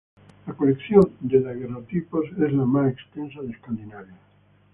La colección de daguerrotipos es la más extensa de Escandinavia.